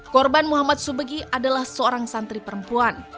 korban muhammad subegi adalah seorang santri perempuan